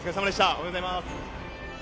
おはようございます。